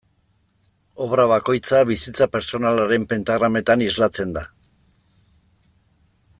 Obra bakoitza bizitza pertsonalaren pentagrametan islatzen da.